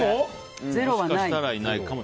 もしかしたらいないかも。